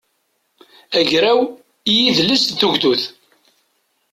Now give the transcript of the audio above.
agraw i yidles d tugdut